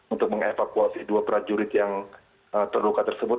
untuk mengevakuasi dua prajurit yang terluka tersebut